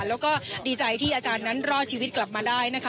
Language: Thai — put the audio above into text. แล้วก็ดีใจที่อาจารย์นั้นรอดชีวิตกลับมาได้นะคะ